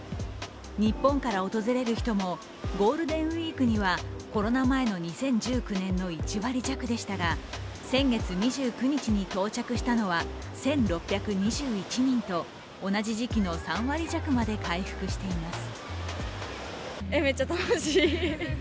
日本から訪れる人もゴールデンウイークにはコロナ前の２０１９年の１割弱でしたが先月２９日に到着したのは１６２１人と、同じ時期の３割弱まで回復しています。